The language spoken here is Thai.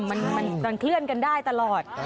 มันเคลื่อนกันได้ตลอด